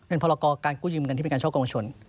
เป็นภารกอการกู้ยืมกันที่เป็นการช่อกรงประชน